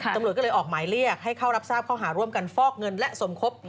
ตำรวจก็เลยออกหมายเรียกให้เข้ารับทราบข้อหาร่วมกันฟอกเงินและสมคบ